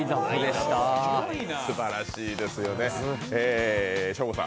すばらしいですよね。